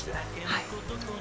はい。